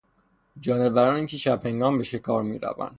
جانورانی که شب هنگام به شکار میروند